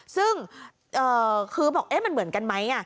ซึ่งคือบอกมันเหมือนกันไหม